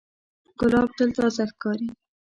ګلاب تل تازه ښکاري.